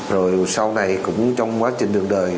rồi sau này cũng trong quá trình đường đời